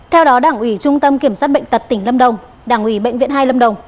theo đó đảng ủy trung tâm kiểm soát bệnh tật tỉnh lâm đồng đảng ủy bệnh viện hai lâm đồng